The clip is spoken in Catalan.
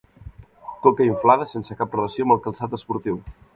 Coca inflada sense cap relació amb el calçat esportiu.